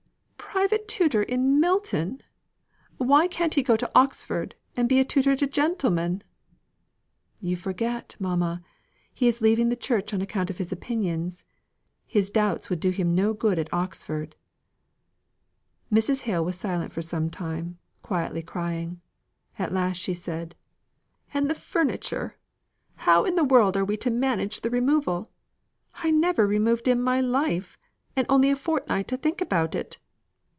"Private tutor in Milton! Why can't he go to Oxford, and be a tutor to gentlemen?" "You forget, mamma! He is leaving the Church on account of his opinions his doubts would do him no good at Oxford." Mrs. Hale was silent for some time, quietly crying. At last she said: "And the furniture How in the world are we to manage the removal? I never removed in my life, and only a fortnight to think about it!"